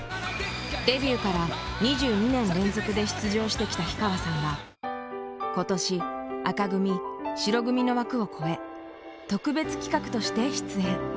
デビューから２２年連続で出場してきた氷川さんは今年紅組白組の枠を超え特別企画として出演。